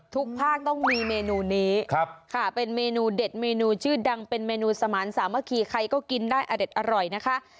ทุกภาคต้องมีเมนูนี้ค่ะเป็นเมนูเด็ดเมนูชื่อดังเป็นเมนูสมานสามัคคีใครก็กินได้อเด็ดอร่อยนะคะ